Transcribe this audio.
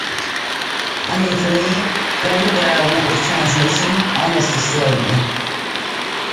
I mean for me, going to where I went with Transmission, almost destroyed me.